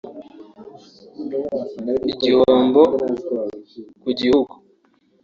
igihombo ku gihugu